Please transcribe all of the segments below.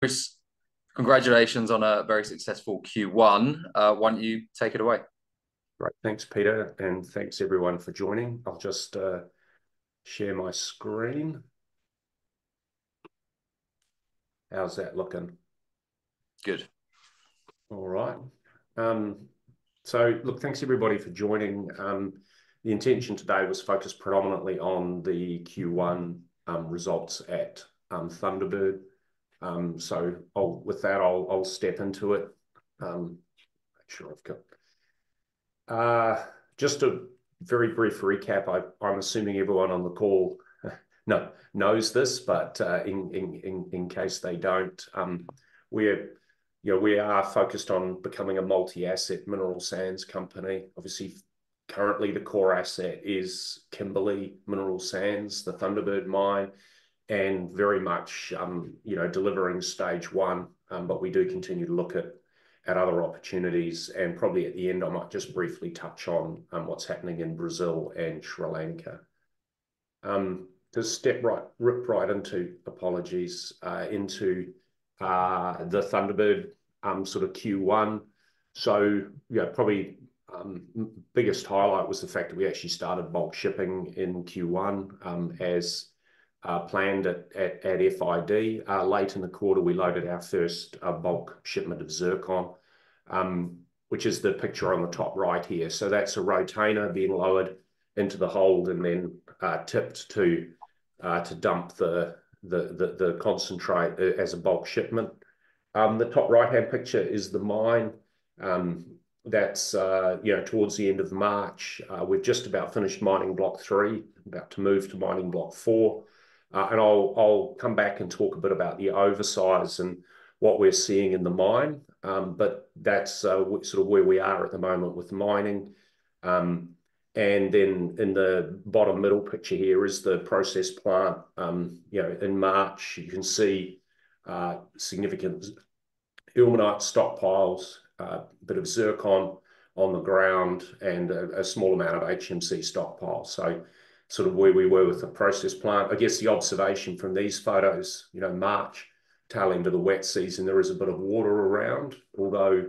Chris, congratulations on a very successful Q1. Why don't you take it away? Great. Thanks, Peter, and thanks everyone for joining. I'll just share my screen. How's that looking? Good. All right. So look, thanks everybody for joining. The intention today was focused predominantly on the Q1 results at Thunderbird. So with that, I'll step into it. Make sure I've got... Just a very brief recap. I'm assuming everyone on the call knows this, but in case they don't, we're, you know, we are focused on becoming a multi-asset mineral sands company. Obviously, currently, the core asset is Kimberley Mineral Sands, the Thunderbird mine, and very much, you know, delivering stage one. But we do continue to look at other opportunities, and probably at the end, I might just briefly touch on what's happening in Brazil and Sri Lanka. To rip right into, apologies, the Thunderbird sort of Q1. So, yeah, probably, biggest highlight was the fact that we actually started bulk shipping in Q1, as planned at FID. Late in the quarter, we loaded our first bulk shipment of zircon, which is the picture on the top right here. So that's a Rotainer being lowered into the hold and then tipped to dump the concentrate as a bulk shipment. The top right-hand picture is the mine. That's, you know, towards the end of March, we've just about finished mining block three, about to move to mining block four. And I'll come back and talk a bit about the oversize and what we're seeing in the mine. But that's sort of where we are at the moment with mining. And then in the bottom middle picture here is the process plant. You know, in March, you can see significant ilmenite stockpiles, a bit of zircon on the ground, and a small amount of HMC stockpile. So sort of where we were with the process plant. I guess the observation from these photos, you know, March, tail end of the wet season, there is a bit of water around, although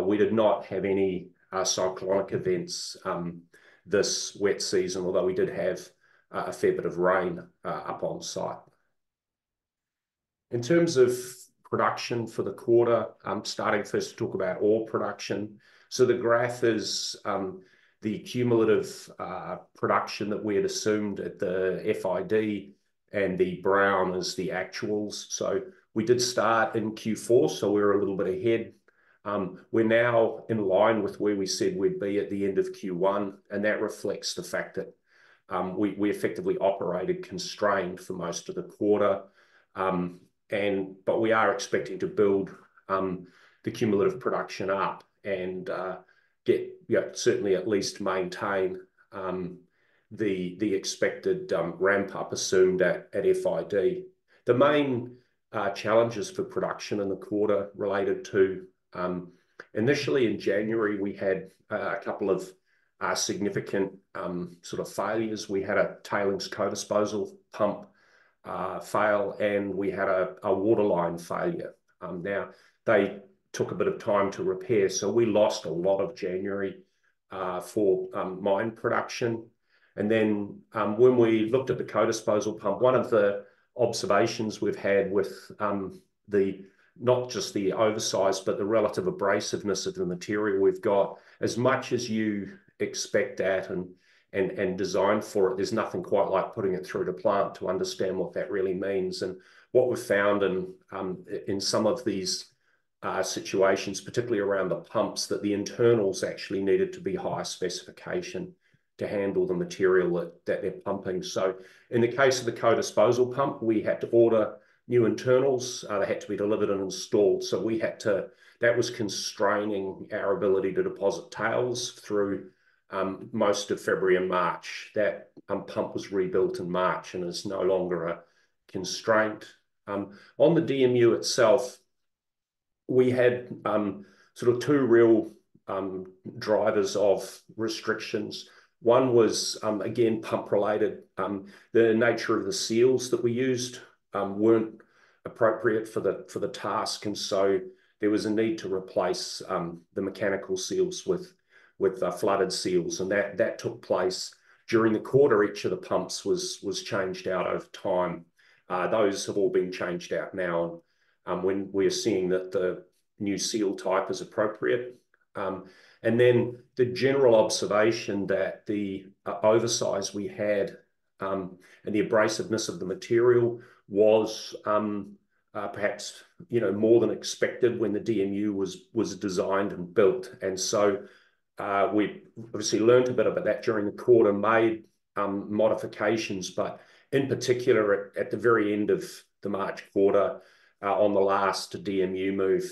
we did not have any cyclonic events this wet season, although we did have a fair bit of rain up on site. In terms of production for the quarter, I'm starting first to talk about ore production. So the graph is the cumulative production that we had assumed at the FID, and the brown is the actuals. So we did start in Q4, so we're a little bit ahead. We're now in line with where we said we'd be at the end of Q1, and that reflects the fact that we effectively operated constrained for most of the quarter. But we are expecting to build the cumulative production up and get, yeah, certainly at least maintain the expected ramp-up assumed at FID. The main challenges for production in the quarter related to initially in January, we had a couple of significant sort of failures. We had a tailings co-disposal pump fail, and we had a waterline failure. Now, they took a bit of time to repair, so we lost a lot of January for mine production. And then, when we looked at the co-disposal pump, one of the observations we've had with the not just the oversize, but the relative abrasiveness of the material we've got, as much as you expect that and design for it, there's nothing quite like putting it through the plant to understand what that really means. And what we found in, in some of these situations, particularly around the pumps, that the internals actually needed to be higher specification to handle the material that they're pumping. So in the case of the co-disposal pump, we had to order new internals. They had to be delivered and installed. So we had to. That was constraining our ability to deposit tails through most of February and March. That pump was rebuilt in March and is no longer a constraint. On the DMU itself, we had sort of two real drivers of restrictions. One was again pump-related. The nature of the seals that we used weren't appropriate for the task, and so there was a need to replace the mechanical seals with flooded seals, and that took place during the quarter. Each of the pumps was changed out over time. Those have all been changed out now, when we're seeing that the new seal type is appropriate. And then the general observation that the oversize we had and the abrasiveness of the material was perhaps, you know, more than expected when the DMU was designed and built. And so we obviously learnt a bit about that during the quarter, made modifications. But in particular, at the very end of the March quarter, on the last DMU move,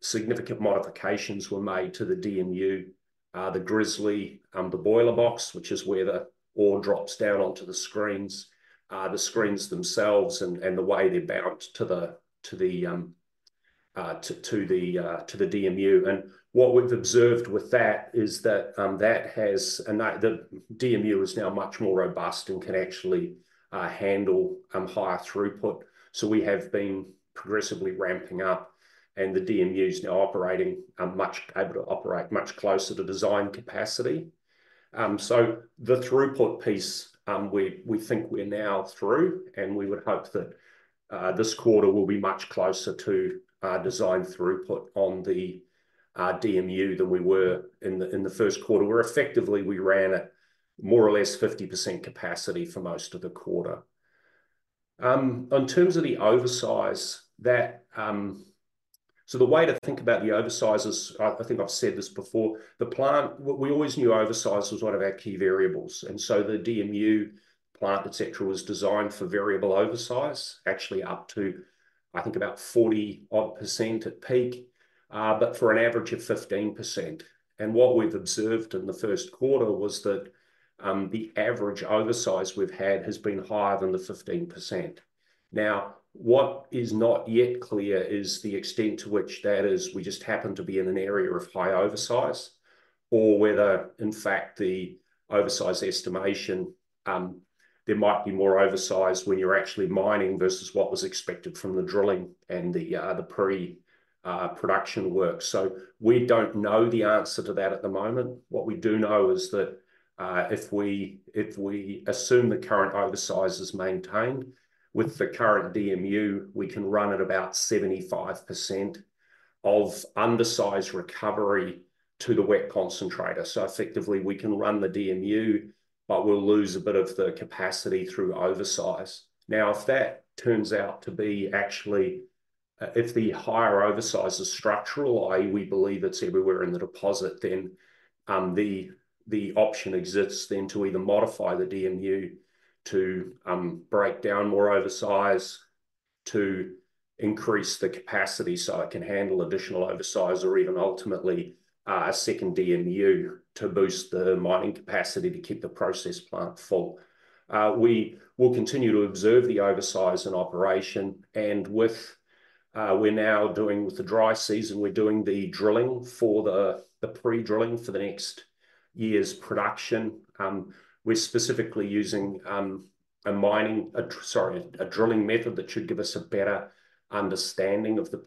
significant modifications were made to the DMU, the grizzly, the boil box, which is where the ore drops down onto the screens, the screens themselves, and the way they're bound to the DMU. And what we've observed with that is that the DMU is now much more robust and can actually handle higher throughput. So we have been progressively ramping up, and the DMU's now operating much able to operate much closer to design capacity. So the throughput piece, we think we're now through, and we would hope that this quarter will be much closer to design throughput on the DMU than we were in the first quarter, where effectively we ran at more or less 50% capacity for most of the quarter. In terms of the oversize, that... So the way to think about the oversize is, I think I've said this before, the plant, we always knew oversize was one of our key variables, and so the DMU plant, et cetera, was designed for variable oversize, actually up to, I think, about 40-odd% at peak, but for an average of 15%. And what we've observed in the first quarter was that the average oversize we've had has been higher than the 15%. Now, what is not yet clear is the extent to which that is we just happen to be in an area of high oversize or whether, in fact, the oversize estimation there might be more oversize when you're actually mining versus what was expected from the drilling and the pre-production work. So we don't know the answer to that at the moment. What we do know is that, if we, if we assume the current oversize is maintained with the current DMU, we can run at about 75% of undersize recovery to the wet concentrator. So effectively, we can run the DMU, but we'll lose a bit of the capacity through oversize. Now, if that turns out to be actually, if the higher oversize is structural, i.e., we believe it's everywhere in the deposit, then, the option exists then to either modify the DMU to, break down more oversize, to increase the capacity so it can handle additional oversize or even ultimately, a second DMU to boost the mining capacity to keep the process plant full. We will continue to observe the oversize and operation, and, with the dry season, we're now doing the drilling for the pre-drilling for the next year's production. We're specifically using a drilling method that should give us a better understanding of the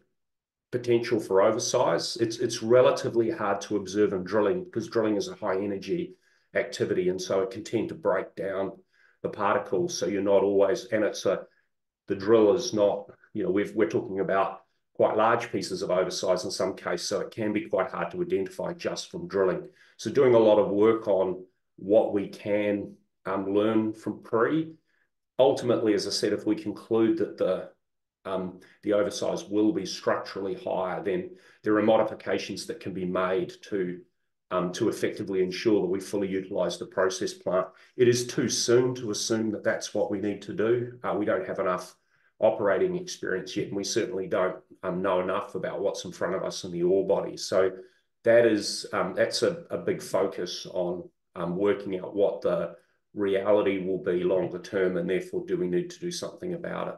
potential for oversize. It's relatively hard to observe in drilling, because drilling is a high-energy activity, and so it can tend to break down the particles, so you're not always... And the drill is not, you know, we're talking about quite large pieces of oversize in some cases, so it can be quite hard to identify just from drilling. So doing a lot of work on what we can learn from pre. Ultimately, as I said, if we conclude that the oversize will be structurally higher, then there are modifications that can be made to effectively ensure that we fully utilize the process plant. It is too soon to assume that that's what we need to do. We don't have enough operating experience yet, and we certainly don't know enough about what's in front of us in the ore body. So that is, that's a big focus on working out what the reality will be longer term, and therefore, do we need to do something about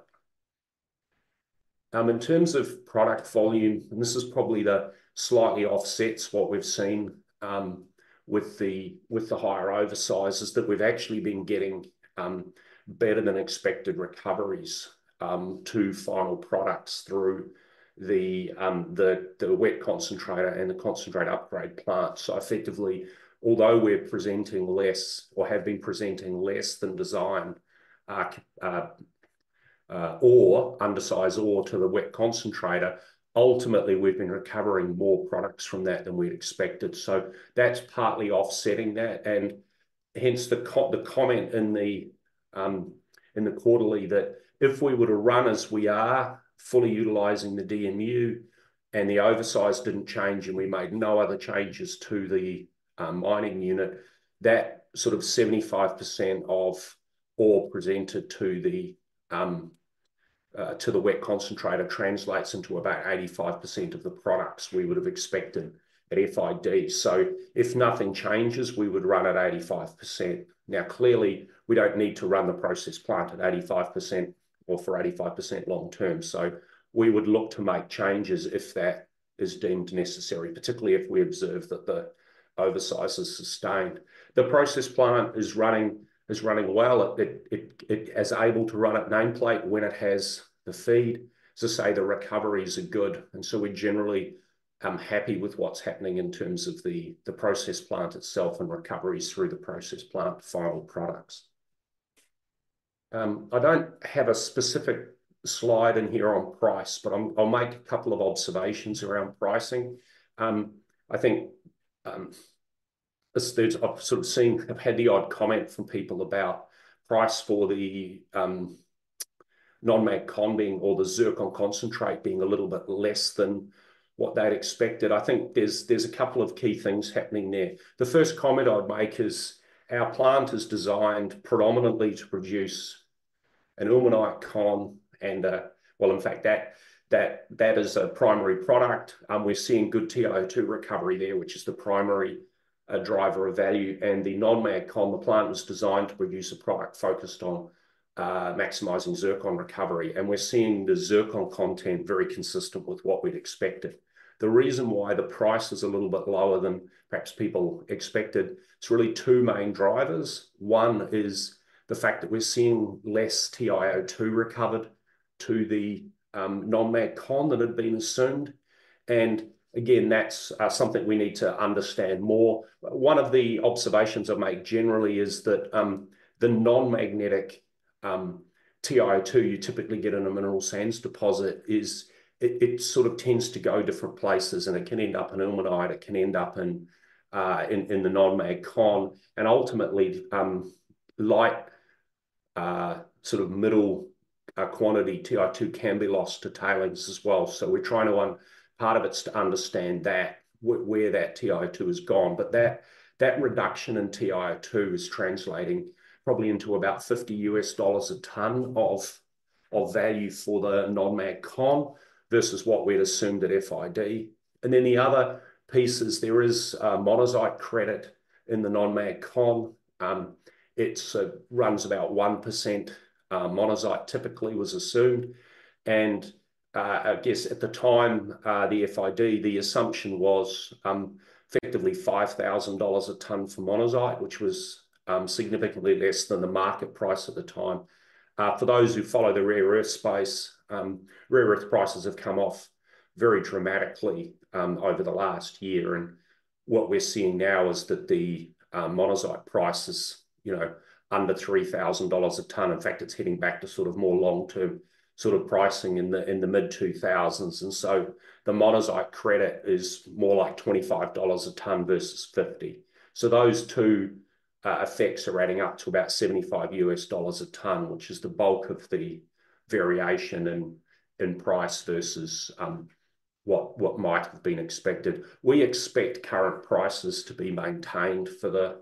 it? In terms of product volume, and this is probably the slightly offsets what we've seen, with the higher oversizes, that we've actually been getting, better-than-expected recoveries to final products through the wet concentrator and the concentrate upgrade plant. So effectively, although we're presenting less or have been presenting less than design, ore, undersize ore to the wet concentrator, ultimately, we've been recovering more products from that than we'd expected. So that's partly offsetting that, and hence the comment in the quarterly, that if we were to run as we are, fully utilizing the DMU, and the oversize didn't change, and we made no other changes to the mining unit, that sort of 75% of ore presented to the wet concentrator translates into about 85% of the products we would have expected at FID. So if nothing changes, we would run at 85%. Now, clearly, we don't need to run the process plant at 85% or for 85% long term, so we would look to make changes if that is deemed necessary, particularly if we observe that the oversize is sustained. The process plant is running well. It is able to run at nameplate when it has the feed. As I say, the recoveries are good, and so we're generally happy with what's happening in terms of the process plant itself and recoveries through the process plant final products. I don't have a specific slide in here on price, but I'm, I'll make a couple of observations around pricing. I think, as there's... I've sort of seen, I've had the odd comment from people about price for the non-mag con being or the zircon concentrate being a little bit less than what they'd expected. I think there's a couple of key things happening there. The first comment I'd make is our plant is designed predominantly to produce an ilmenite con and a... Well, in fact, that is a primary product. We're seeing good TiO2 recovery there, which is the primary-... a driver of value, and the non-mag con, the plant was designed to produce a product focused on, maximizing zircon recovery. And we're seeing the zircon content very consistent with what we'd expected. The reason why the price is a little bit lower than perhaps people expected, it's really two main drivers. One is the fact that we're seeing less TiO2 recovered to the, non-mag con that had been assumed, and again, that's, something we need to understand more. One of the observations I've made generally is that, the non-magnetic, TiO2 you typically get in a mineral sands deposit is, it sort of tends to go different places, and it can end up in ilmenite, it can end up in, in the non-mag con. And ultimately, light, sort of middle, quantity TiO2 can be lost to tailings as well. So we're trying to understand that, where that TiO2 has gone. But that reduction in TiO2 is translating probably into about $50 a tonne of value for the non-mag con versus what we'd assumed at FID. And then the other pieces, there is a monazite credit in the non-mag con. It sort of runs about 1%, monazite typically was assumed. And I guess at the time, the FID, the assumption was effectively $5,000 a tonne for monazite, which was significantly less than the market price at the time. For those who follow the rare earth space, rare earth prices have come off very dramatically over the last year. And what we're seeing now is that the monazite price is, you know, under $3,000 a tonne. In fact, it's heading back to sort of more long-term sort of pricing in the mid-$2,000s. So the monazite credit is more like $25 a tonne versus $50. Those two effects are adding up to about $75 a tonne, which is the bulk of the variation in price versus what might have been expected. We expect current prices to be maintained for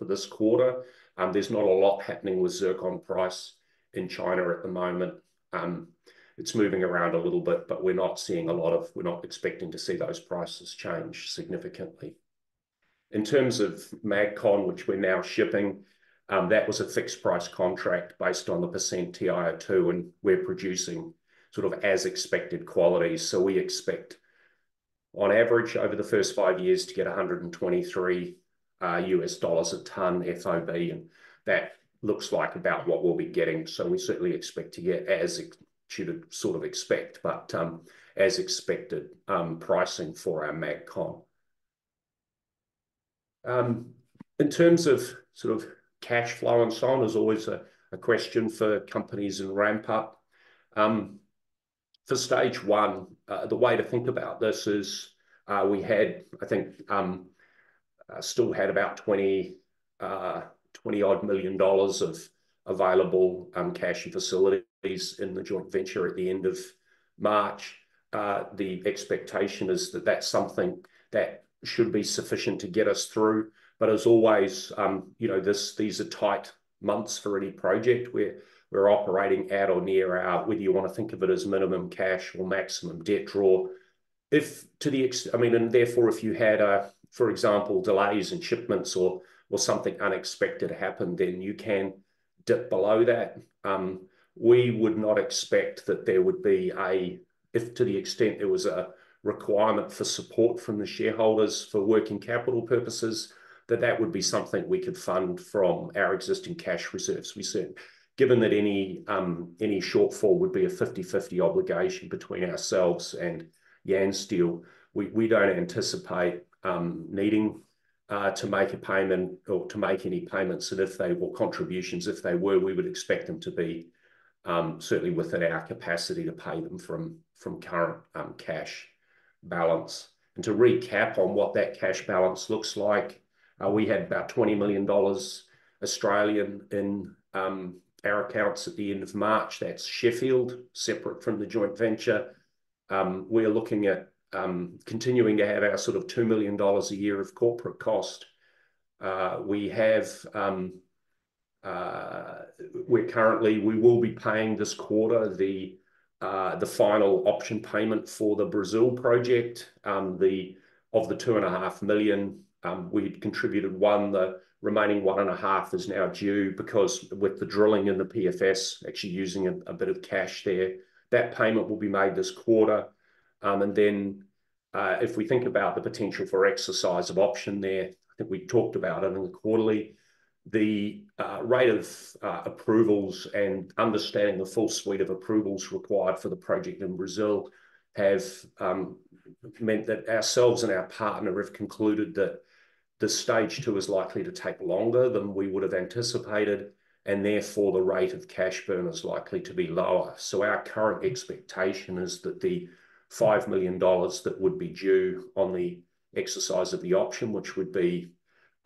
this quarter. There's not a lot happening with zircon price in China at the moment. It's moving around a little bit, but we're not seeing a lot of... We're not expecting to see those prices change significantly. In terms of mag con, which we're now shipping, that was a fixed-price contract based on the % TiO2, and we're producing sort of as-expected quality. So we expect, on average, over the first five years to get $123 a tonne FOB, and that looks like about what we'll be getting. So we certainly expect, as expected, pricing for our mag con. In terms of sort of cash flow and so on, there's always a question for companies in ramp-up. For stage one, the way to think about this is, we had, I think, still had about $20-odd million of available cash and facilities in the joint venture at the end of March. The expectation is that that's something that should be sufficient to get us through. But as always, you know, these are tight months for any project. We're operating at or near our, whether you wanna think of it as minimum cash or maximum debt draw. And therefore, if you had, for example, delays in shipments or something unexpected happened, then you can dip below that. We would not expect that there would be a... If to the extent there was a requirement for support from the shareholders for working capital purposes, that that would be something we could fund from our existing cash reserves. We said, given that any any shortfall would be a 50/50 obligation between ourselves and Yansteel, we, we don't anticipate needing to make a payment or to make any payments, and if they were contributions, if they were, we would expect them to be certainly within our capacity to pay them from, from current cash balance. To recap on what that cash balance looks like, we had about 20 million Australian dollars in our accounts at the end of March. That's Sheffield, separate from the joint venture. We are looking at continuing to have our sort of 2 million dollars a year of corporate cost. We will be paying this quarter the final option payment for the Brazil project. Of the 2.5 million, we'd contributed 1 million. The remaining 1.5 million is now due because with the drilling and the PFS actually using a bit of cash there, that payment will be made this quarter. And then, if we think about the potential for exercise of option there, I think we talked about it in the quarterly. The rate of approvals and understanding the full suite of approvals required for the project in Brazil have meant that ourselves and our partner have concluded that the stage two is likely to take longer than we would have anticipated, and therefore, the rate of cash burn is likely to be lower. So our current expectation is that the $5 million that would be due on the exercise of the option, which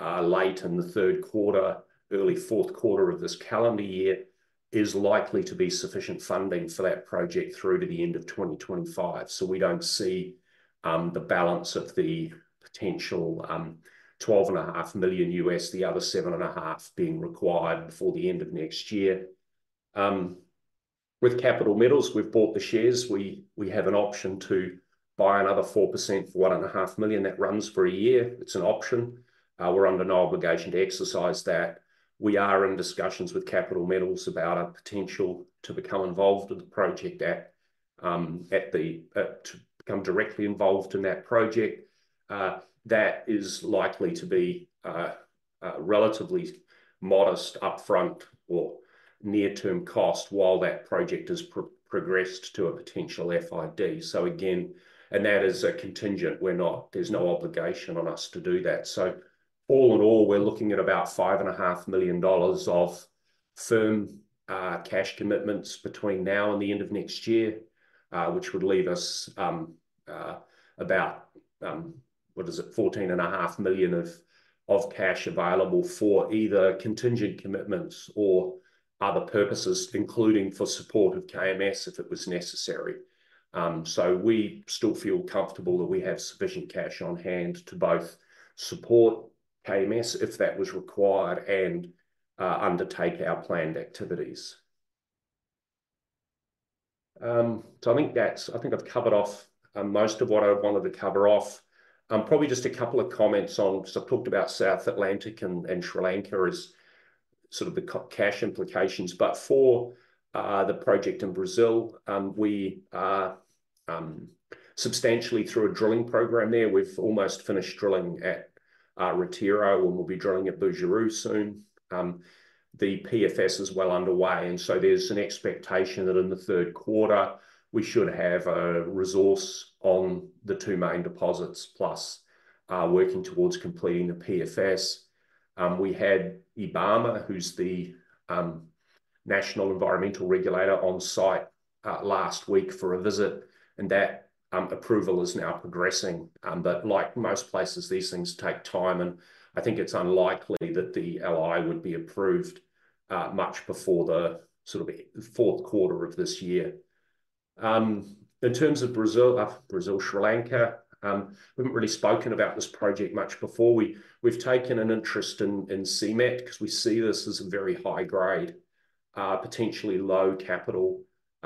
would be late in the third quarter, early fourth quarter of this calendar year, is likely to be sufficient funding for that project through to the end of 2025. So we don't see the balance of the potential $12.5 million, the other $7.5 million, being required before the end of next year. With Capital Metals, we've bought the shares. We have an option to buy another 4% for 1.5 million. That runs for a year. It's an option. We're under no obligation to exercise that. We are in discussions with Capital Metals about a potential to become involved with the project at, at the, to become directly involved in that project. That is likely to be, a relatively modest upfront or near-term cost while that project is progressed to a potential FID. So again, and that is a contingent. We're not. There's no obligation on us to do that. So all in all, we're looking at about 5.5 million dollars of firm, cash commitments between now and the end of next year, which would leave us, about, what is it? 14.5 million of cash available for either contingent commitments or other purposes, including for support of KMS, if it was necessary. So we still feel comfortable that we have sufficient cash on hand to both support KMS, if that was required, and undertake our planned activities. So I think I've covered off most of what I wanted to cover off. Probably just a couple of comments on... So I've talked about South Atlantic and Sri Lanka as sort of the cash implications, but for the project in Brazil, we are substantially through a drilling program there. We've almost finished drilling at Retiro, and we'll be drilling at Bujaru soon. The PFS is well underway, and so there's an expectation that in the third quarter, we should have a resource on the two main deposits, plus working towards completing the PFS. We had IBAMA, who's the national environmental regulator, on site last week for a visit, and that approval is now progressing. But like most places, these things take time, and I think it's unlikely that the LI would be approved much before the sort of fourth quarter of this year. In terms of Brazil, Brazil, Sri Lanka, we haven't really spoken about this project much before. We've taken an interest in CMET, because we see this as a very high-grade potentially low-capital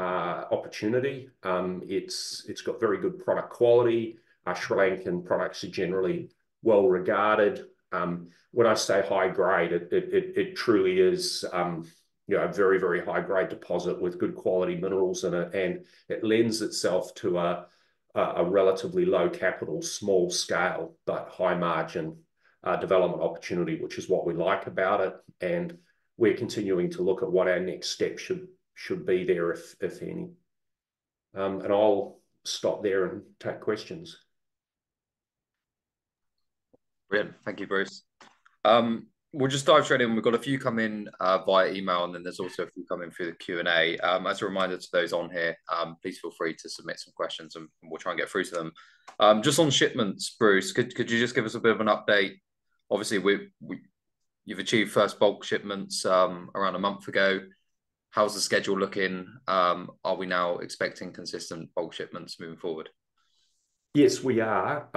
opportunity. It's got very good product quality. Sri Lankan products are generally well-regarded. When I say high grade, it truly is, you know, a very, very high-grade deposit with good quality minerals in it, and it lends itself to a relatively low capital, small scale, but high margin, development opportunity, which is what we like about it. And we're continuing to look at what our next step should be there, if any. And I'll stop there and take questions. Brilliant. Thank you, Bruce. We'll just dive straight in. We've got a few come in via email, and then there's also a few come in through the Q&A. As a reminder to those on here, please feel free to submit some questions, and we'll try and get through to them. Just on shipments, Bruce, could you just give us a bit of an update? Obviously, you've achieved first bulk shipments around a month ago. How's the schedule looking? Are we now expecting consistent bulk shipments moving forward? Yes, we are.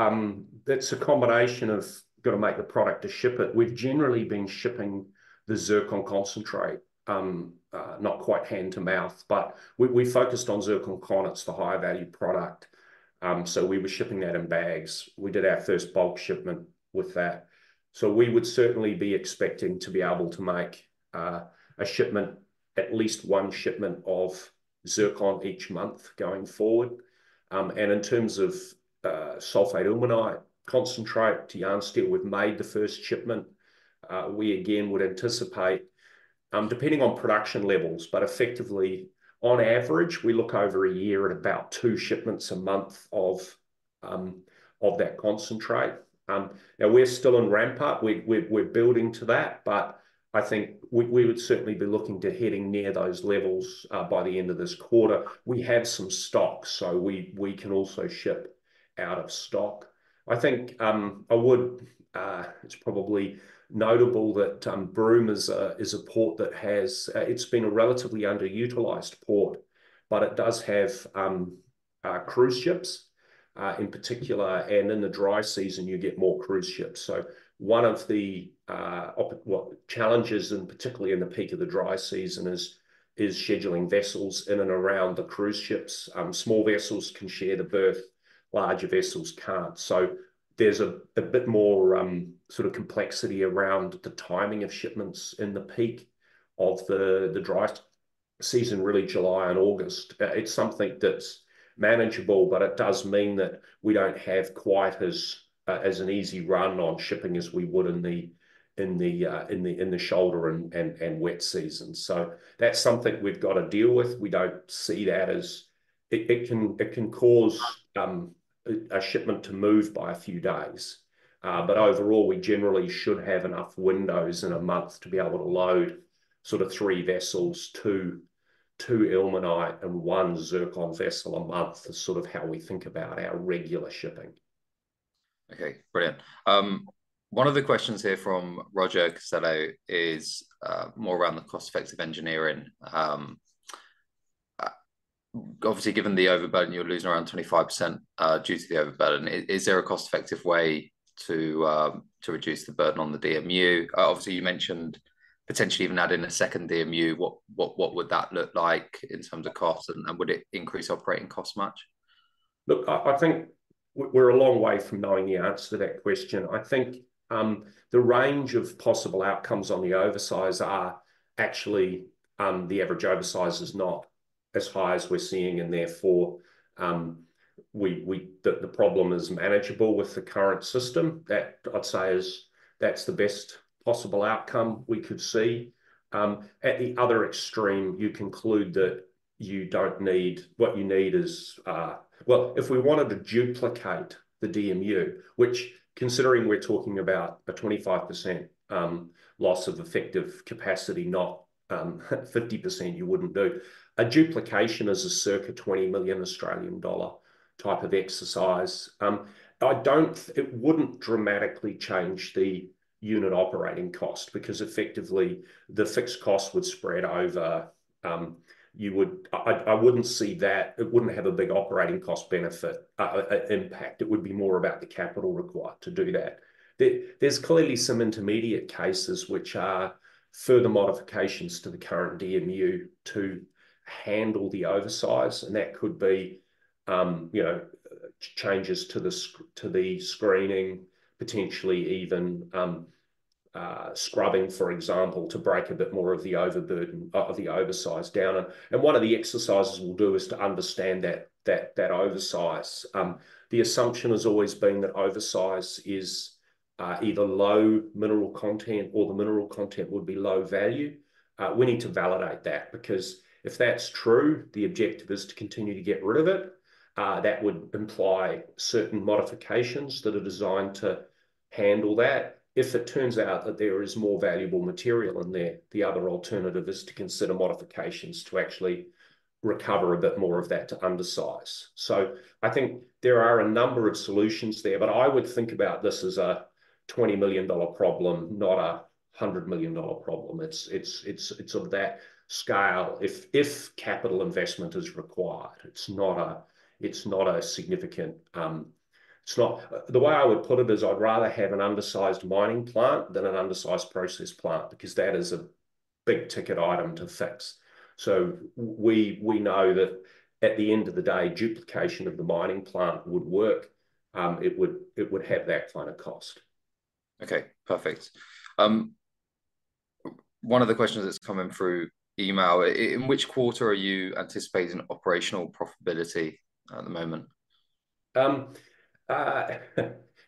That's a combination of got to make the product to ship it. We've generally been shipping the zircon concentrate, not quite hand-to-mouth, but we focused on zircon concentrate, it's the high-value product. So we were shipping that in bags. We did our first bulk shipment with that. So we would certainly be expecting to be able to make a shipment, at least one shipment of zircon each month going forward. And in terms of sulfate ilmenite concentrate to Yansteel, we've made the first shipment. We again would anticipate depending on production levels, but effectively, on average, we look over a year at about two shipments a month of that concentrate. Now we're still in ramp-up. We're building to that, but I think we would certainly be looking to hitting near those levels by the end of this quarter. We have some stock, so we can also ship out of stock. I think it's probably notable that Broome is a port that has. It's been a relatively underutilized port, but it does have cruise ships in particular, and in the dry season, you get more cruise ships. So one of the challenges, and particularly in the peak of the dry season, is scheduling vessels in and around the cruise ships. Small vessels can share the berth. Larger vessels can't. So there's a bit more sort of complexity around the timing of shipments in the peak of the dry season, really July and August. It's something that's manageable, but it does mean that we don't have quite as an easy run on shipping as we would in the shoulder and wet season. So that's something we've got to deal with. We don't see that as... It can cause a shipment to move by a few days. But overall, we generally should have enough windows in a month to be able to load sort of 3 vessels, 2 ilmenite and 1 zircon vessel a month, is sort of how we think about our regular shipping. Okay, brilliant. One of the questions here from Roger Casello is more around the cost-effective engineering. Obviously, given the overburden, you're losing around 25% due to the overburden. Is there a cost-effective way to reduce the burden on the DMU? Obviously, you mentioned potentially even adding a second DMU. What would that look like in terms of cost, and would it increase operating costs much? Look, I think we're a long way from knowing the answer to that question. I think, the range of possible outcomes on the oversize are actually, the average oversize is not as high as we're seeing, and therefore, the problem is manageable with the current system. That, I'd say, is... That's the best possible outcome we could see. At the other extreme, you conclude that you don't need- what you need is... Well, if we wanted to duplicate the DMU, which considering we're talking about a 25% loss of effective capacity, not 50%, you wouldn't do. A duplication is a circa 20 million Australian dollar type of exercise. It wouldn't dramatically change the unit operating cost, because effectively the fixed cost would spread over. I wouldn't see that. It wouldn't have a big operating cost benefit, impact. It would be more about the capital required to do that. There's clearly some intermediate cases which are further modifications to the current DMU to handle the oversize, and that could be, you know, changes to the screening, potentially even scrubbing, for example, to break a bit more of the overburden, of the oversize down. One of the exercises we'll do is to understand that oversize. The assumption has always been that oversize is either low mineral content or the mineral content would be low value. We need to validate that, because if that's true, the objective is to continue to get rid of it. That would imply certain modifications that are designed to handle that. If it turns out that there is more valuable material in there, the other alternative is to consider modifications to actually recover a bit more of that to undersize. So I think there are a number of solutions there, but I would think about this as a 20 million dollar problem, not a 100 million dollar problem. It's, it's, it's, it's of that scale. If, if capital investment is required, it's not a, it's not a significant. The way I would put it is, I'd rather have an undersized mining plant than an undersized process plant, because that is a big-ticket item to fix. We know that at the end of the day, duplication of the mining plant would work. It would have that kind of cost. Okay, perfect. One of the questions that's come in through email, in which quarter are you anticipating operational profitability at the moment?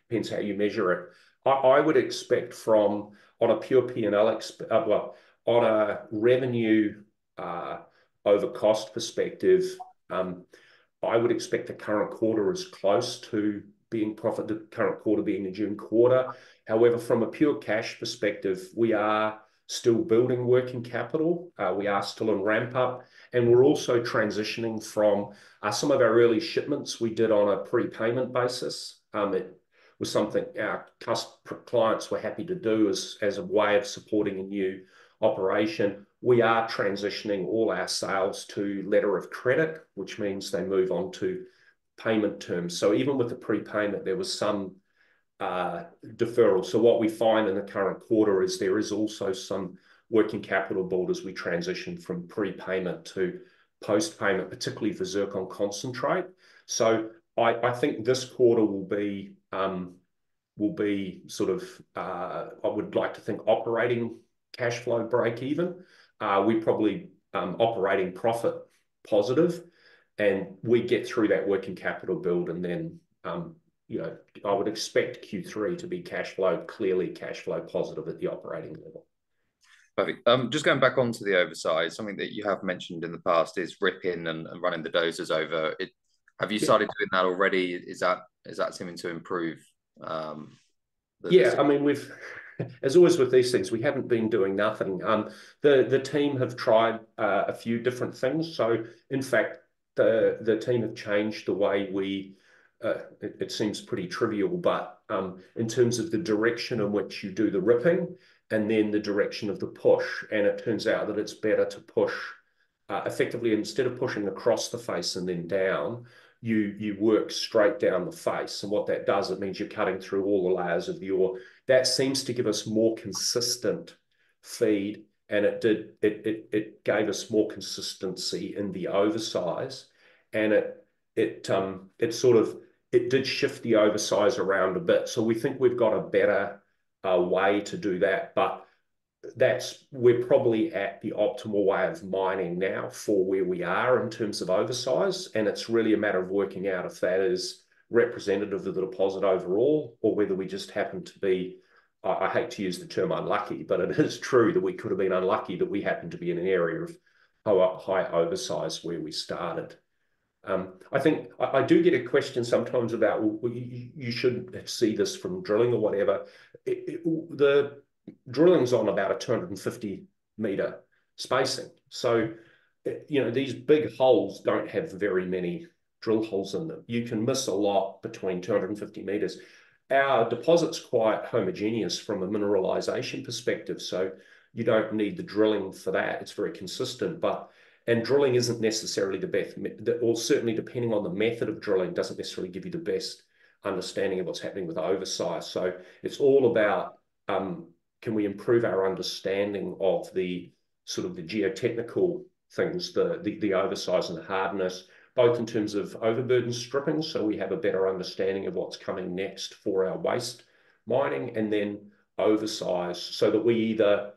Depends how you measure it. I would expect from, on a pure P&L, well, on a revenue over cost perspective, I would expect the current quarter is close to being profit, the current quarter being the June quarter. However, from a pure cash perspective, we are still building working capital. We are still in ramp-up, and we're also transitioning from some of our early shipments we did on a prepayment basis. It was something our clients were happy to do as a way of supporting a new operation. We are transitioning all our sales to Letter of Credit, which means they move on to payment terms. So even with the prepayment, there was some deferral. So what we find in the current quarter is there is also some working capital build as we transition from prepayment to post-payment, particularly for zircon concentrate. So I think this quarter will be sort of, I would like to think operating cash flow breakeven. We're probably operating profit positive, and we get through that working capital build, and then, you know, I would expect Q3 to be cashflow, clearly cash flow positive at the operating level. Perfect. Just going back onto the oversize, something that you have mentioned in the past is ripping and running the dozers over it. Yeah. Have you started doing that already? Is that, is that seeming to improve, the- Yeah, I mean, we've- as always with these things, we haven't been doing nothing. The team have tried a few different things. So in fact, the team have changed the way we... It seems pretty trivial, but in terms of the direction in which you do the ripping and then the direction of the push, and it turns out that it's better to push effectively, instead of pushing across the face and then down, you work straight down the face. And what that does, it means you're cutting through all the layers of the ore. That seems to give us more consistent feed, and it did give us more consistency in the oversize and it sort of did shift the oversize around a bit. So we think we've got a better way to do that, but we're probably at the optimal way of mining now for where we are in terms of oversize, and it's really a matter of working out if that is representative of the deposit overall or whether we just happen to be. I hate to use the term unlucky, but it is true that we could have been unlucky, that we happened to be in an area of high oversize where we started. I think I do get a question sometimes about, "Well, you should see this from drilling," or whatever. The drilling's on about a 250-meter spacing. So, you know, these big holes don't have very many drill holes in them. You can miss a lot between 250 meters. Our deposit's quite homogeneous from a mineralization perspective, so you don't need the drilling for that. It's very consistent, and drilling isn't necessarily the best, well, certainly, depending on the method of drilling, doesn't necessarily give you the best understanding of what's happening with oversize. So it's all about can we improve our understanding of the sort of the geotechnical things, the oversize and the hardness, both in terms of overburden stripping, so we have a better understanding of what's coming next for our waste mining, and then oversize, so that we either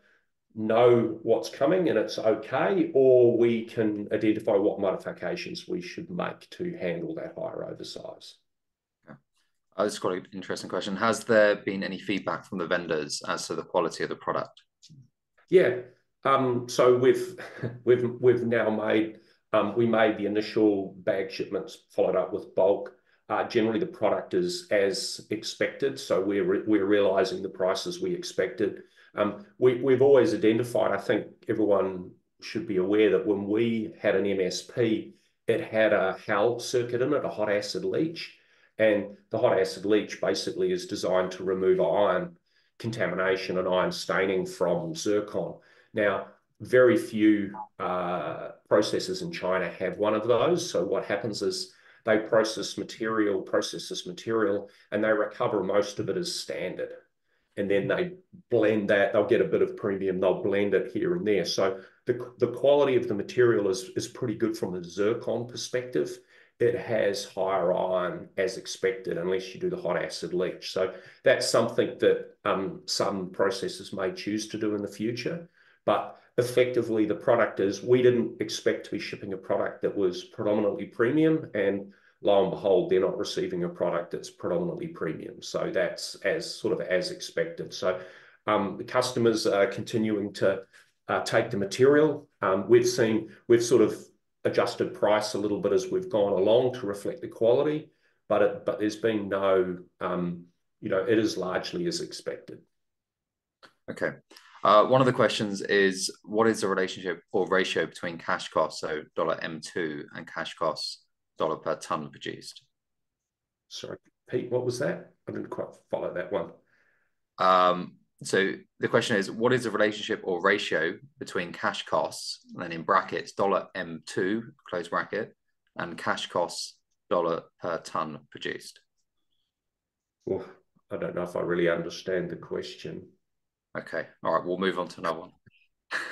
know what's coming and it's okay, or we can identify what modifications we should make to handle that higher oversize. Yeah. Oh, this is quite an interesting question: Has there been any feedback from the vendors as to the quality of the product? Yeah. So we've now made the initial bag shipments, followed up with bulk. Generally, the product is as expected, so we're realizing the prices we expected. We've always identified... I think everyone should be aware that when we had an MSP, it had a HAL circuit in it, a hot acid leach, and the hot acid leach basically is designed to remove iron contamination and iron staining from zircon. Now, very few processes in China have one of those. So what happens is they process material, process this material, and they recover most of it as standard. And then they blend that. They'll get a bit of premium, they'll blend it here and there. So the quality of the material is pretty good from the zircon perspective. It has higher iron, as expected, unless you do the hot acid leach. So that's something that some processors may choose to do in the future. But effectively, the product is. We didn't expect to be shipping a product that was predominantly premium, and lo and behold, they're not receiving a product that's predominantly premium. So that's as, sort of as expected. So the customers are continuing to take the material. We've sort of adjusted price a little bit as we've gone along to reflect the quality, but there's been no... You know, it is largely as expected. Okay. One of the questions is: What is the relationship or ratio between cash costs, so $ MT, and cash costs $ per ton produced? Sorry, Pete, what was that? I didn't quite follow that one. So, the question is: What is the relationship or ratio between cash costs, and then in brackets, $M2, close bracket, and cash costs $ per tonne produced? Oh, I don't know if I really understand the question. Okay. All right, we'll move on to another one.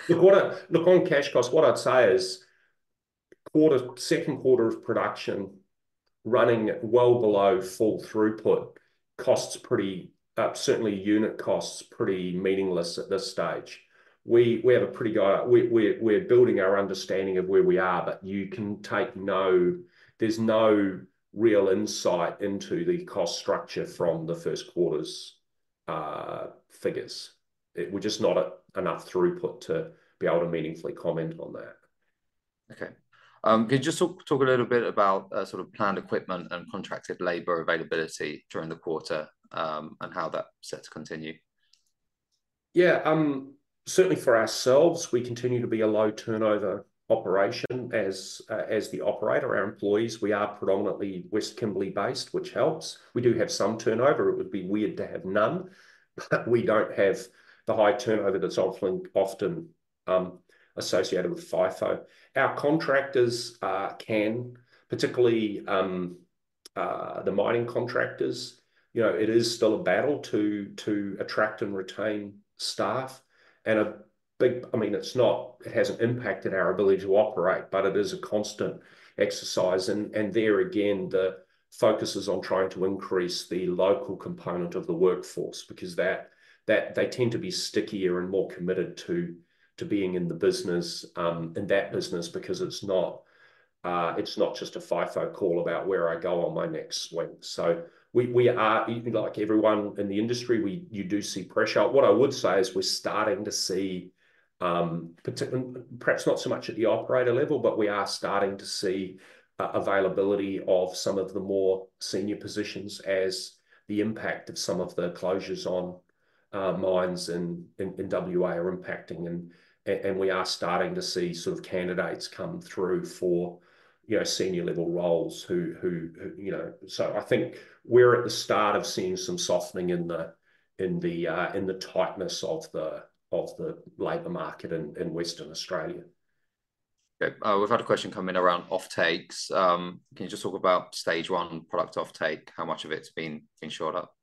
Look, on cash costs, what I'd say is second quarter of production, running well below full throughput, costs pretty certainly. Unit cost's pretty meaningless at this stage. We're building our understanding of where we are, but you can take no, there's no real insight into the cost structure from the first quarter's figures. There were just not enough throughput to be able to meaningfully comment on that. Okay. Can you just talk a little bit about sort of planned equipment and contracted labor availability during the quarter, and how that's set to continue? Yeah. Certainly for ourselves, we continue to be a low-turnover operation as, as the operator. Our employees, we are predominantly West Kimberley-based, which helps. We do have some turnover. It would be weird to have none, but we don't have the high turnover that's often, often, associated with FIFO. Our contractors, can, particularly, the mining contractors. You know, it is still a battle to, to attract and retain staff. And a big- I mean, it's not, it hasn't impacted our ability to operate, but it is a constant exercise. And, and there again, the focus is on trying to increase the local component of the workforce because that, that... They tend to be stickier and more committed to, to being in the business, in that business, because it's not, it's not just a FIFO call about where I go on my next shift. So we, we are, like everyone in the industry, you do see pressure. What I would say is we're starting to see, perhaps not so much at the operator level, but we are starting to see, availability of some of the more senior positions as the impact of some of the closures on mines in WA are impacting. And, and we are starting to see sort of candidates come through for, you know, senior-level roles who, who, who, you know... So I think we're at the start of seeing some softening in the tightness of the labor market in Western Australia. Okay, we've had a question come in around offtakes. Can you just talk about stage 1 product offtake? How much of it's been insured up?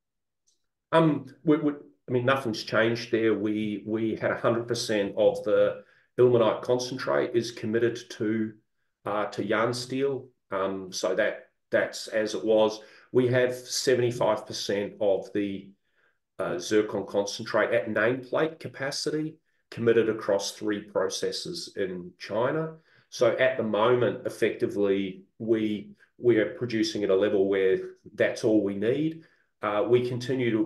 I mean, nothing's changed there. We had 100% of the ilmenite concentrate is committed to Yansteel, so that's as it was. We have 75% of the zircon concentrate at nameplate capacity committed across three processors in China. So at the moment, effectively, we are producing at a level where that's all we need. We continue to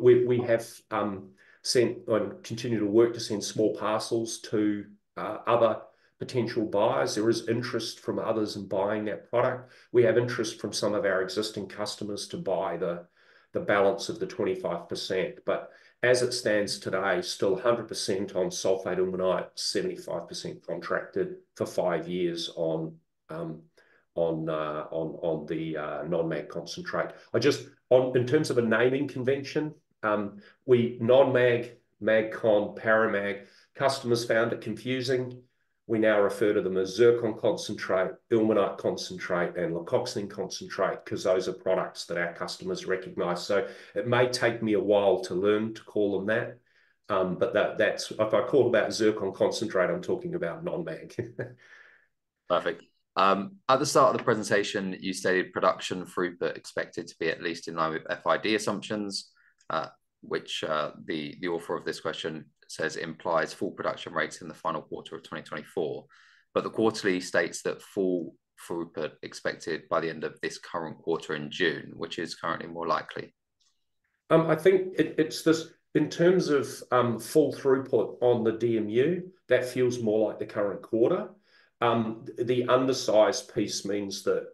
work to send small parcels to other potential buyers. There is interest from others in buying that product. We have interest from some of our existing customers to buy the balance of the 25%. But as it stands today, still 100% on sulfate ilmenite, 75% contracted for five years on the non-mag concentrate. I just... In terms of a naming convention, we non-mag, mag con, paramag, customers found it confusing. We now refer to them as zircon concentrate, ilmenite concentrate, and leucoxene concentrate, 'cause those are products that our customers recognize. So it may take me a while to learn to call them that, but that's – if I call that zircon concentrate, I'm talking about non-mag. Perfect. At the start of the presentation, you stated production throughput expected to be at least in line with FID assumptions, which the author of this question says implies full production rates in the final quarter of 2024. But the quarterly states that full throughput expected by the end of this current quarter in June, which is currently more likely. I think it's this in terms of full throughput on the DMU. That feels more like the current quarter. The undersize piece means that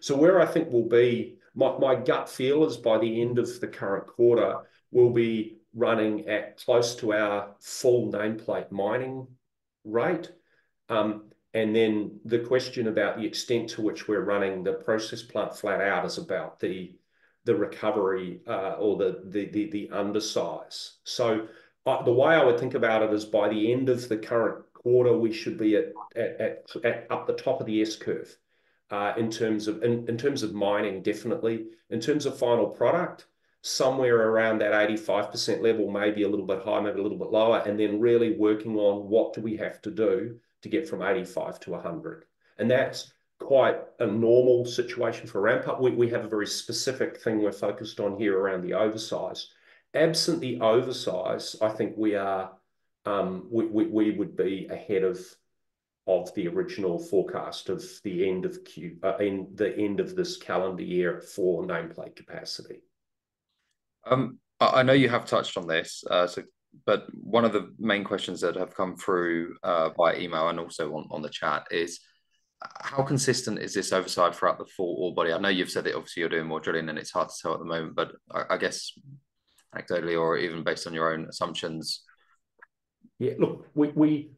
so where I think we'll be. My gut feel is by the end of the current quarter, we'll be running at close to our full nameplate mining rate. And then the question about the extent to which we're running the process plant flat out is about the recovery or the undersize. So the way I would think about it is by the end of the current quarter, we should be at up the top of the S-curve in terms of mining, definitely. In terms of final product, somewhere around that 85% level, maybe a little bit higher, maybe a little bit lower, and then really working on what do we have to do to get from 85%-100%. That's quite a normal situation for ramp-up. We have a very specific thing we're focused on here around the oversize. Absent the oversize, I think we would be ahead of the original forecast of the end of Q- in the end of this calendar year at full nameplate capacity. I know you have touched on this, but one of the main questions that have come through by email and also on the chat is, how consistent is this oversize throughout the full ore body? I know you've said that obviously you're doing more drilling, and it's hard to tell at the moment, but I guess, anecdotally or even based on your own assumptions. Yeah, look, we,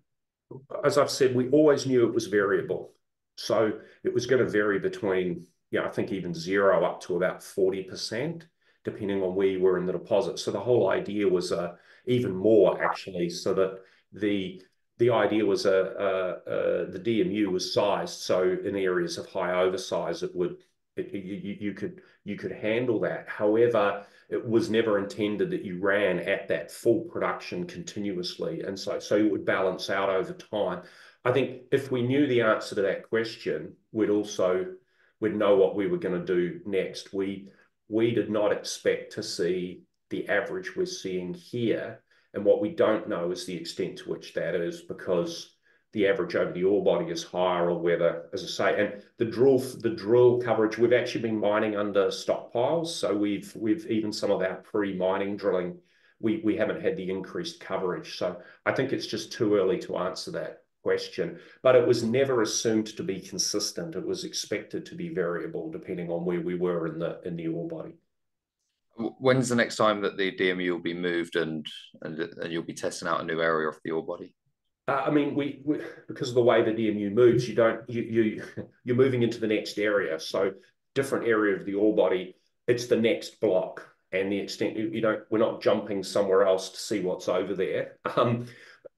as I've said, we always knew it was variable, so it was gonna vary between, yeah, I think even zero up to about 40%, depending on where you were in the deposit. So the whole idea was, even more actually, so that the idea was, the DMU was sized, so in the areas of high oversize, it would... You could, you could handle that. However, it was never intended that you ran at that full production continuously, and so, so it would balance out over time. I think if we knew the answer to that question, we'd also—we'd know what we were gonna do next. We did not expect to see the average we're seeing here, and what we don't know is the extent to which that is because the average over the ore body is higher, or whether, as I say. And the drill coverage, we've actually been mining under stockpiles, so we've even some of our pre-mining drilling, we haven't had the increased coverage. So I think it's just too early to answer that question. But it was never assumed to be consistent. It was expected to be variable, depending on where we were in the ore body. When's the next time that the DMU will be moved, and you'll be testing out a new area of the ore body? I mean, we, because of the way the DMU moves, you don't—you're moving into the next area, so different area of the ore body. It's the next block, and the extent... We don't, we're not jumping somewhere else to see what's over there.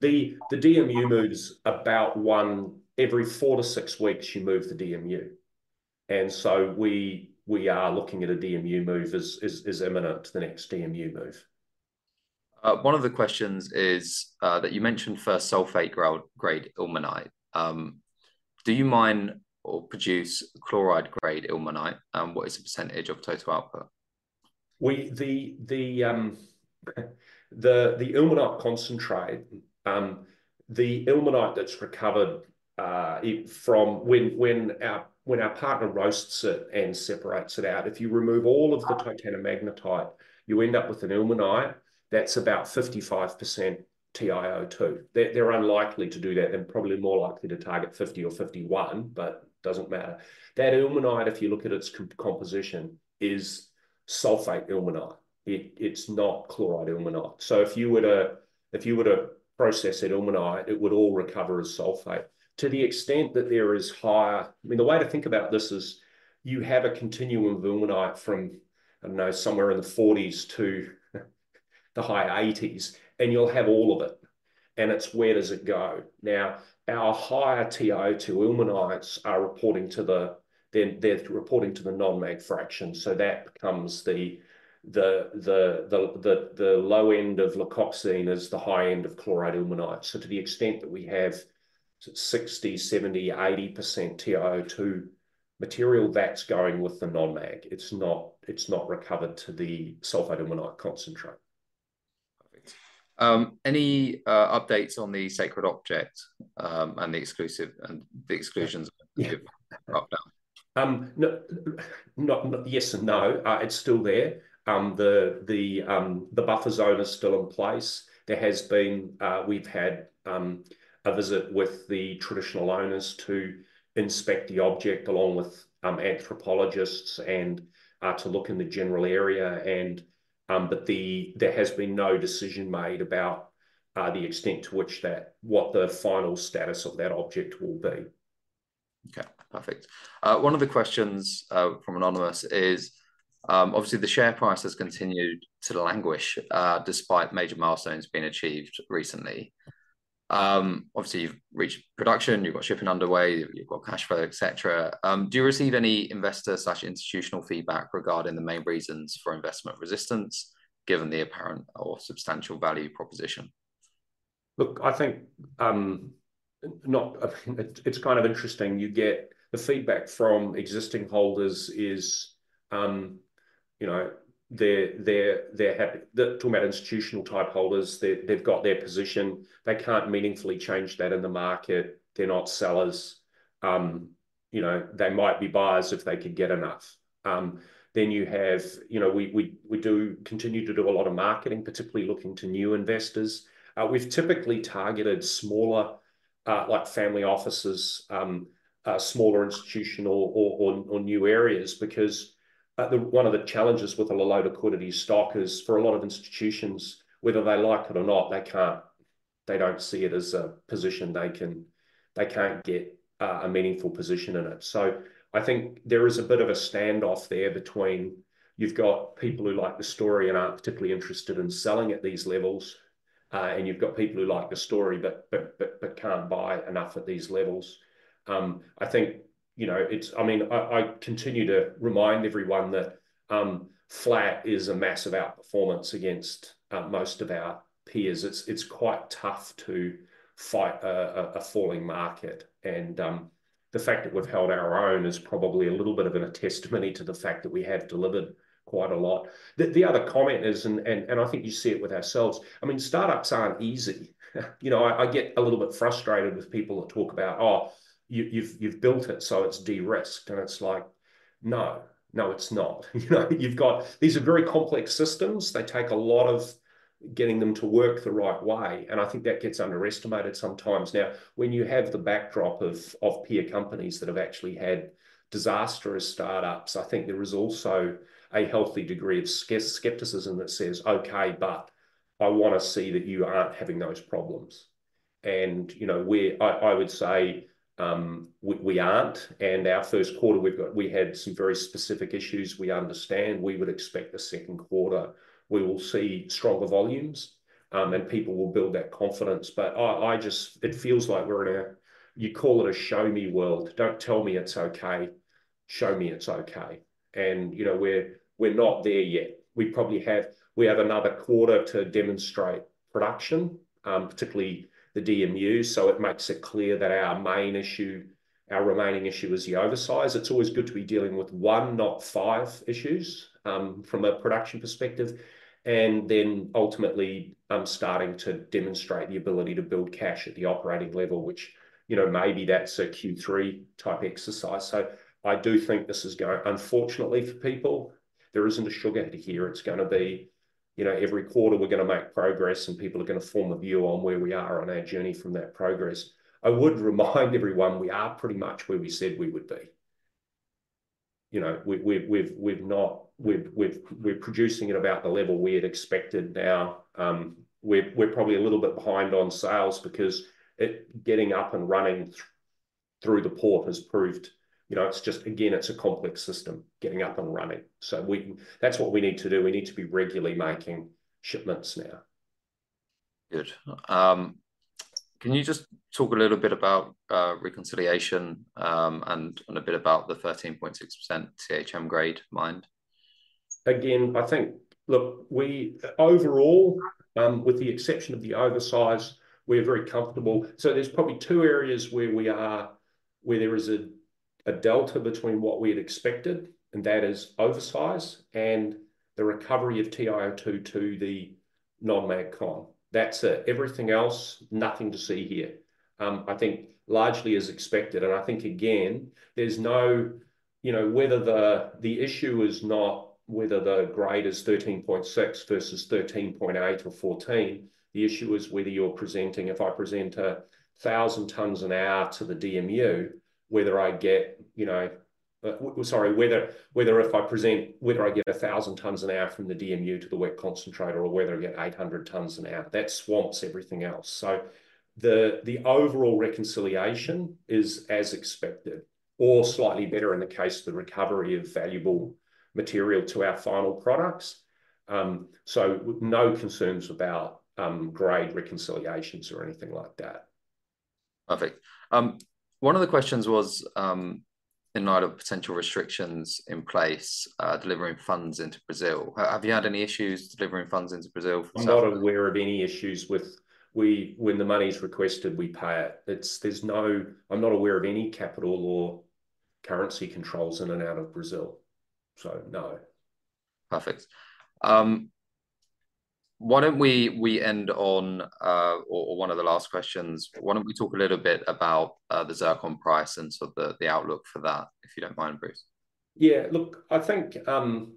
The DMU moves about one every 4-6 weeks, you move the DMU. And so we are looking at a DMU move as is imminent, the next DMU move. One of the questions is, that you mentioned sulfate grade ilmenite. Do you mine or produce chloride-grade ilmenite? And what is the percentage of total output? The ilmenite concentrate, the ilmenite that's recovered from... When our partner roasts it and separates it out, if you remove all of the titanomagnetite, you end up with an ilmenite that's about 55% TiO2. They're unlikely to do that. They're probably more likely to target 50 or 51, but doesn't matter. That ilmenite, if you look at its composition, is sulfate ilmenite. It's not chloride ilmenite. So if you were to process that ilmenite, it would all recover as sulfate. To the extent that there is higher—I mean, the way to think about this is, you have a continuum of ilmenite from, I don't know, somewhere in the 40s to the high 80s, and you'll have all of it. And it's where does it go? Now, our higher TiO2 ilmenites are reporting to the, they're reporting to the non-mag fraction, so that becomes the low end of leucoxene is the high end of chloride ilmenite. So to the extent that we have 60%, 70%, 80% TiO2 material, that's going with the non-mag. It's not recovered to the sulfate ilmenite concentrate. Perfect. Any updates on the sacred object, and the exclusive, and the exclusions? Yeah... upfront? Yes and no. It's still there. The buffer zone is still in place. There has been a visit with the traditional owners to inspect the object, along with anthropologists, and to look in the general area, but there has been no decision made about the extent to which that, what the final status of that object will be.... Okay, perfect. One of the questions from anonymous is, obviously the share price has continued to languish, despite major milestones being achieved recently. Obviously you've reached production, you've got shipping underway, you've got cash flow, et cetera. Do you receive any investor/institutional feedback regarding the main reasons for investment resistance, given the apparent or substantial value proposition? Look, I think it's kind of interesting. You get the feedback from existing holders is, you know, they're talking about institutional-type holders. They, they've got their position. They can't meaningfully change that in the market. They're not sellers. You know, they might be buyers if they could get enough. Then you have, you know, we do continue to do a lot of marketing, particularly looking to new investors. We've typically targeted smaller, like family offices, smaller institutional or new areas, because one of the challenges with a low liquidity stock is for a lot of institutions, whether they like it or not, they can't. They don't see it as a position they can- they can't get a meaningful position in it. So I think there is a bit of a standoff there between you've got people who like the story and aren't particularly interested in selling at these levels, and you've got people who like the story, but can't buy enough at these levels. I think, you know, it's- I mean, I continue to remind everyone that flat is a massive outperformance against most of our peers. It's quite tough to fight a falling market and the fact that we've held our own is probably a little bit of a testimony to the fact that we have delivered quite a lot. The other comment is, and I think you see it with ourselves, I mean, startups aren't easy. You know, I get a little bit frustrated with people that talk about, "Oh, you've built it, so it's de-risked." And it's like, "No. No, it's not." You know? You've got... These are very complex systems. They take a lot of getting them to work the right way, and I think that gets underestimated sometimes. Now, when you have the backdrop of peer companies that have actually had disastrous startups, I think there is also a healthy degree of skepticism that says, "Okay, but I want to see that you aren't having those problems." And, you know, we would say, we aren't, and our first quarter, we had some very specific issues we understand. We would expect the second quarter, we will see stronger volumes, and people will build that confidence. But it feels like we're in a, you call it a show-me world. "Don't tell me it's okay, show me it's okay." And, you know, we're not there yet. We have another quarter to demonstrate production, particularly the DMU, so it makes it clear that our main issue, our remaining issue is the oversize. It's always good to be dealing with one, not five issues, from a production perspective, and then ultimately, I'm starting to demonstrate the ability to build cash at the operating level, which, you know, maybe that's a Q3-type exercise. So I do think this is going, unfortunately for people, there isn't a sugar here. It's gonna be, you know, every quarter we're gonna make progress, and people are gonna form a view on where we are on our journey from that progress. I would remind everyone we are pretty much where we said we would be. You know, we've not... We're producing at about the level we had expected. Now, we're probably a little bit behind on sales because getting up and running through the port has proved, you know, it's just, again, it's a complex system, getting up and running. So that's what we need to do. We need to be regularly making shipments now. Good. Can you just talk a little bit about reconciliation, and a bit about the 13.6% THM grade mined? Again, I think, look, overall, with the exception of the oversize, we're very comfortable. So there's probably two areas where there is a delta between what we had expected, and that is oversize and the recovery of TiO2 to the non-mag con. That's it. Everything else, nothing to see here. I think largely as expected, and I think, again, there's no... You know, whether the issue is not whether the grade is 13.6 versus 13.8 or 14, the issue is whether you're presenting, if I present 1,000 tonnes an hour to the DMU, whether I get, you know... whether I get 1,000 tonnes an hour from the DMU to the wet concentrator or whether I get 800 tonnes an hour, that swamps everything else. So the overall reconciliation is as expected, or slightly better in the case of the recovery of valuable material to our final products. So with no concerns about, grade reconciliations or anything like that. Perfect. One of the questions was, in light of potential restrictions in place, delivering funds into Brazil, have you had any issues delivering funds into Brazil from South- I'm not aware of any issues when the money's requested, we pay it. I'm not aware of any capital or currency controls in and out of Brazil, so no. Perfect. Why don't we talk a little bit about the zircon price and sort of the outlook for that, if you don't mind, Bruce? Yeah. Look, I think, and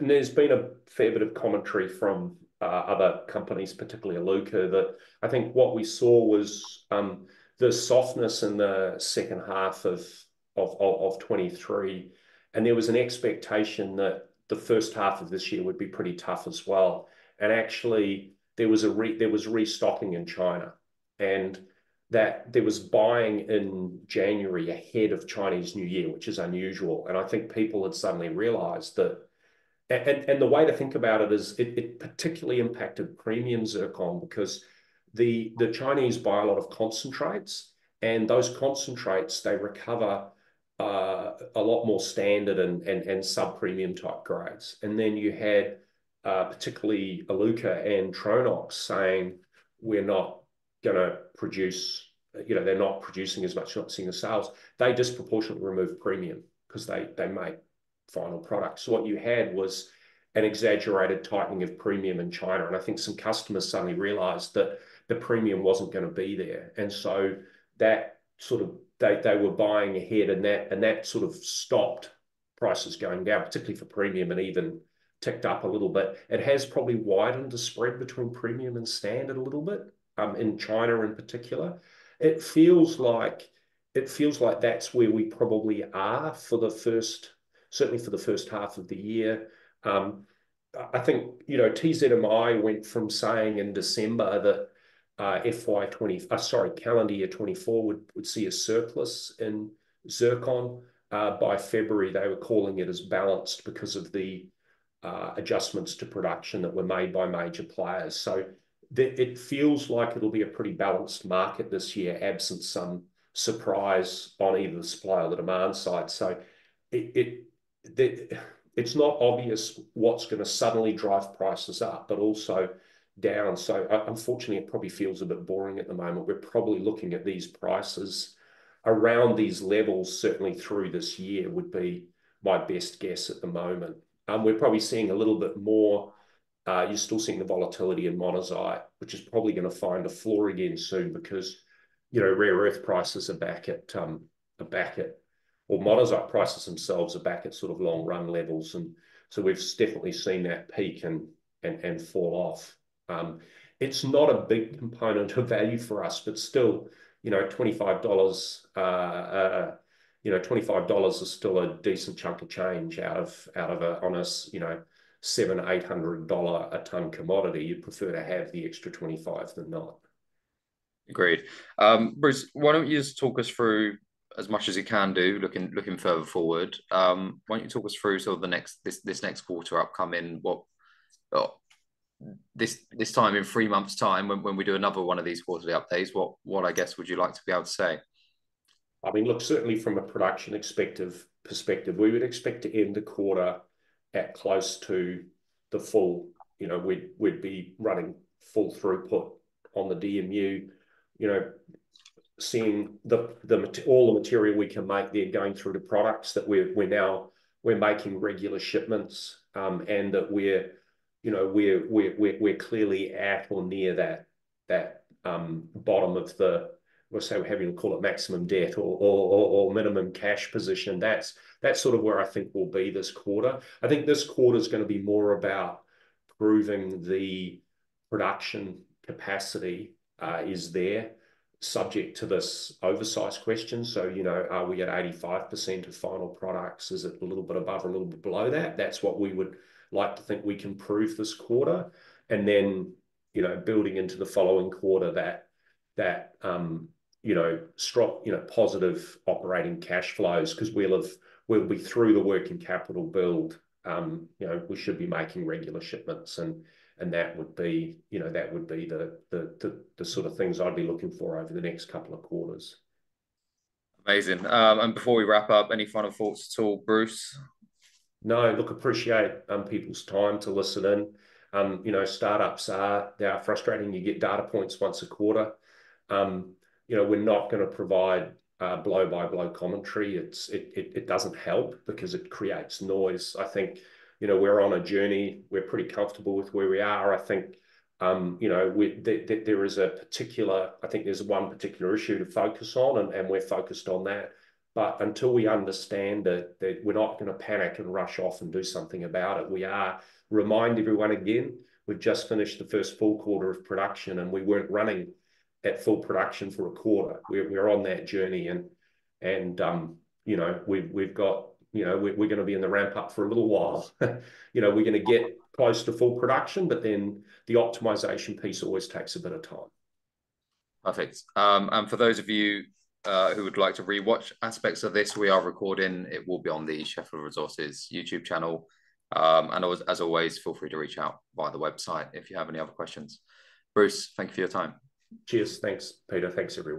there's been a fair bit of commentary from other companies, particularly Iluka, that I think what we saw was the softness in the second half of 2023, and there was an expectation that the first half of this year would be pretty tough as well. And actually, there was restocking in China, and that there was buying in January ahead of Chinese New Year, which is unusual. And I think people had suddenly realized that and the way to think about it is, it particularly impacted premium zircon, because the Chinese buy a lot of concentrates, and those concentrates, they recover a lot more standard and sub-premium type grades. And then you had, particularly Iluka and Tronox saying, "We're not gonna produce..." You know, they're not producing as much, not seeing the sales. They disproportionately remove premium, 'cause they, they make final product. So what you had was an exaggerated tightening of premium in China, and I think some customers suddenly realized that the premium wasn't gonna be there. And so that sort of- they, they were buying ahead, and that, and that sort of stopped prices going down, particularly for premium, and even ticked up a little bit. It has probably widened the spread between premium and standard a little bit, in China in particular. It feels like, it feels like that's where we probably are for the first, certainly for the first half of the year. I, I think, you know, TZMI went from saying in December that, FY20... Sorry, calendar year 2024 would see a surplus in zircon. By February, they were calling it as balanced because of the adjustments to production that were made by major players. So it feels like it'll be a pretty balanced market this year, absent some surprise on either the supply or the demand side. So it's not obvious what's gonna suddenly drive prices up, but also down. So, unfortunately, it probably feels a bit boring at the moment. We're probably looking at these prices around these levels, certainly through this year, would be my best guess at the moment. And we're probably seeing a little bit more, you're still seeing the volatility in monazite, which is probably gonna find a floor again soon, because, you know, rare earth prices are back at, or monazite prices themselves are back at sort of long-run levels, and so we've definitely seen that peak and fall off. It's not a big component of value for us, but still, you know, $25, you know, $25 is still a decent chunk of change out of a, on a, you know, $700-$800 a ton commodity. You'd prefer to have the extra 25 than not. Agreed. Bruce, why don't you just talk us through as much as you can do, looking further forward? Why don't you talk us through sort of the next quarter upcoming, what... this time, in three months' time, when we do another one of these quarterly updates, what, I guess, would you like to be able to say? I mean, look, certainly from a production perspective, we would expect to end the quarter at close to the full... You know, we'd be running full throughput on the DMU. You know, seeing all the material we can make there going through the products that we're now making regular shipments. And that we're, you know, we're clearly at or near that bottom of the pit. We're so having to call it maximum depth or minimum cash position. That's sort of where I think we'll be this quarter. I think this quarter's gonna be more about proving the production capacity is there, subject to this oversize question. So, you know, are we at 85% of final products? Is it a little bit above or a little bit below that? That's what we would like to think we can prove this quarter. And then, you know, building into the following quarter, that you know, strong, you know, positive operating cash flows, 'cause we'll have- we'll be through the working capital build. You know, we should be making regular shipments, and that would be, you know, that would be the sort of things I'd be looking for over the next couple of quarters. Amazing. And before we wrap up, any final thoughts at all, Bruce? No. Look, I appreciate people's time to listen in. You know, startups are, they are frustrating. You get data points once a quarter. You know, we're not gonna provide blow-by-blow commentary. It doesn't help because it creates noise. I think, you know, we're on a journey. We're pretty comfortable with where we are. I think, you know, there is a particular... I think there's one particular issue to focus on, and we're focused on that. But until we understand that, we're not gonna panic and rush off and do something about it. We are... Remind everyone again, we've just finished the first full quarter of production, and we weren't running at full production for a quarter. We're on that journey, and, you know, we've got... You know, we're gonna be in the ramp-up for a little while. You know, we're gonna get close to full production, but then the optimization piece always takes a bit of time. Perfect. And for those of you who would like to rewatch aspects of this, we are recording. It will be on the Sheffield Resources YouTube channel. And as always, feel free to reach out via the website if you have any other questions. Bruce, thank you for your time. Cheers. Thanks, Peter. Thanks, everyone.